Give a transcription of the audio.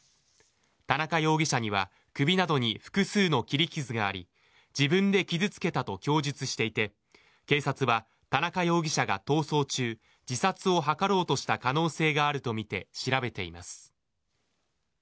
田中容疑者には首などに複数の切り傷があり自分で傷つけたと供述していて警察は田中容疑者が逃走中自殺を図ろうとした可能性があるとみて調べています。